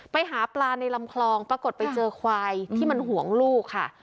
ไปหาปลาในลำคลองปรากฏไปเจอควายที่มันห่วงลูกค่ะ